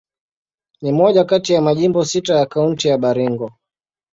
Ni moja kati ya majimbo sita ya Kaunti ya Baringo.